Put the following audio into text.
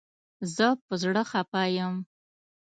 زه په زړه خپه یم